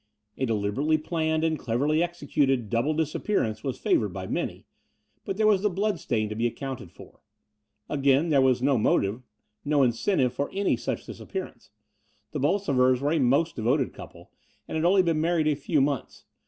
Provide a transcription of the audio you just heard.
A de liberately planned and cleverly executed double disappearance was favoured by many: but there was the bloodstain to be accotmted for. Again, there was no motive, no incentive for any such disappearance. The Bolsovers were a most de voted couple and had only been married a few months.